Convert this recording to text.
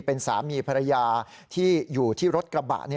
เป็นสามีภรรยาที่อยู่ที่รถกระบะ